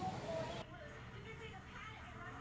l merupakan nomor penyusupan